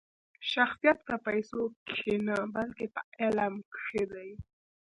شخصیت په پیسو کښي نه؛ بلکي په علم کښي دئ.